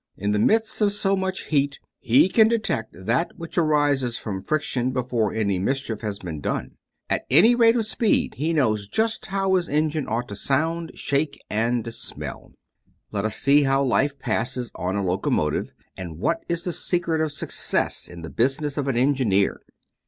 In the midst of so much heat, he can detect that which arises from friction before any mischief has been done. At every rate of speed he knows just how his engine ought to sound, shake, and smell. Let us see how life passes on a locomotive, and what is the secret of success in the business of an engineer.